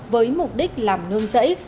với mục đích làm nương rẫy